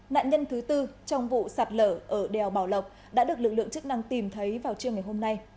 nạn nhân thứ tư trong vụ sạt lở ở đèo bảo lộc đã được lực lượng chức năng tìm thấy vào trưa ngày hôm nay